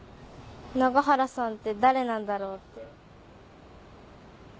永原さんって誰なんだろう？って。